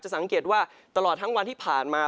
สังเกตว่าตลอดทั้งวันที่ผ่านมา